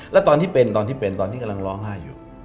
แล้วตอนที่เป็นตอนที่เป็นตอนที่กำลังร้องไห้อยู่